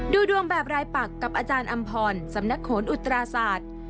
ดูดวงแบบรายปักกับอาจารย์อำพรสำนักโหนอุตราศาสตร์